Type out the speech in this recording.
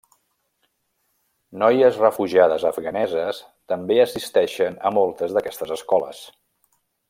Noies refugiades afganeses també assisteixen a moltes d'aquestes escoles.